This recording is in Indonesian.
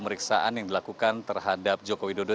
pemeriksaan yang dilakukan terhadap jokowi dodo